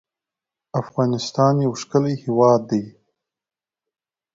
افغانستان يو ښکلی هېواد دی